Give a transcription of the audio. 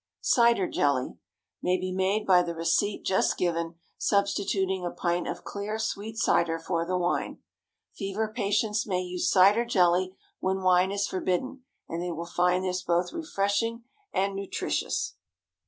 CIDER JELLY. ✠ May be made by the receipt just given, substituting a pint of clear, sweet cider for the wine. Fever patients may use cider jelly when wine is forbidden, and they will find this both refreshing and nutritious.